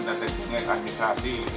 tetapi punya administrasi